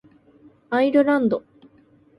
アイルランド